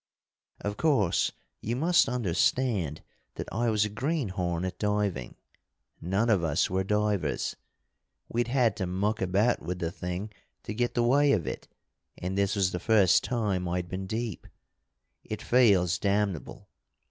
"Of course you must understand that I was a greenhorn at diving. None of us were divers. We'd had to muck about with the thing to get the way of it, and this was the first time I'd been deep. It feels damnable.